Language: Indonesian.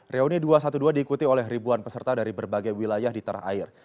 reuni dua ratus dua belas diikuti oleh ribuan peserta dari berbagai wilayah di tanah air